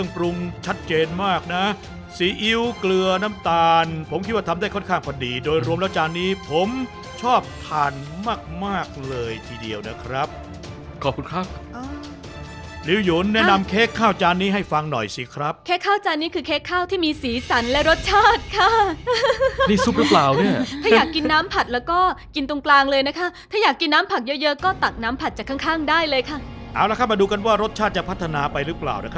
ผมเชื่อว่าคุณจะทำเมนูนี้ได้อร่อยมากเลยสู้